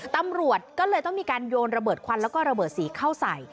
ตำรวจก็เลยต้องมีการโยนระเบิดควันแล้วก็ระเบิดสีเข้าใส่